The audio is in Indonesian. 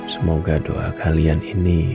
semoga doa kalian ini